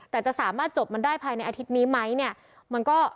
แต่จะสามารถจบมันได้ภายในอาทิตย์นี้ไหมเนี่ย